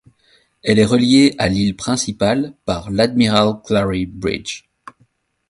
Elle est reliée à l'île principale par l'Admiral Clarey Bridge.